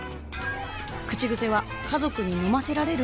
口癖は「家族に飲ませられる？」